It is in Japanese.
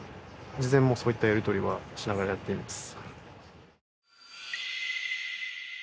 事前もそういったやり取りはしながらやっています。